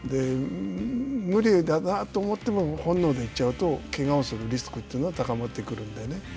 無理だなと思っても本能で行っちゃうとけがをするリスクは高まってくるのでね。